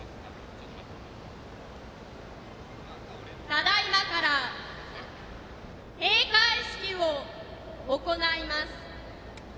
ただいまから閉会式を行います。